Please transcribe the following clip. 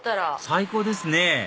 最高ですね